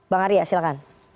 bang arya silahkan